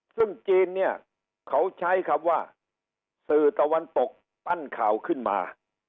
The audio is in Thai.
ซึ่งจีนเนี่ยเขาใช้คำว่าสื่อตะวันตกปั้นข่าวขึ้นมา